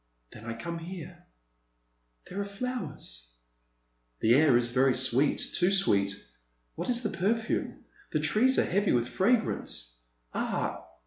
Then I come here. There are flowers." The air is very sweet, too sweet. What is the perfume ? The trees are heavy with fragrance. Ah